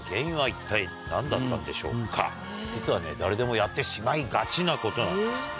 実はね誰でもやってしまいがちなことなんですね。